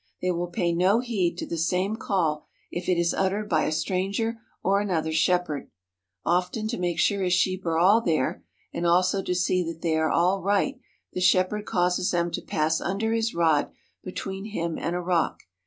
They will pay no heed to the same call if it is uttered by a stranger or another shepherd. Often to make sure his sheep are all there and also to see that they are all right the shepherd causes them to pass under his rod between him and a rock.